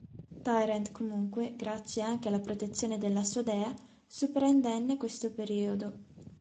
Tyrande, comunque, grazie anche alla protezione della sua dea, supera indenne questo periodo.